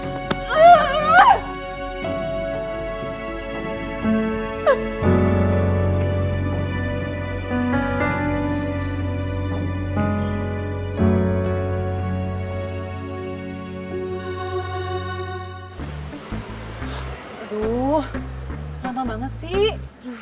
aduh lama banget sih